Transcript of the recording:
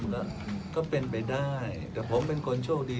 แต่ถ้าเรามีการดูแลเรื่อย